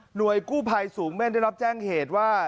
กู้ภัยสูงเม่นได้รับแจ้งเหตุว่า